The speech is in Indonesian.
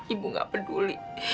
ibu enggak peduli